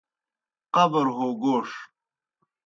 قبر ہو گوݜ